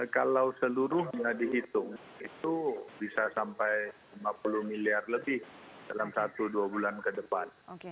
kalau seluruhnya dihitung itu bisa sampai lima puluh miliar lebih dalam satu dua bulan ke depan